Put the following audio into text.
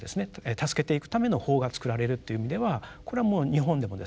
助けていくための法が作られるという意味ではこれはもう日本でもですね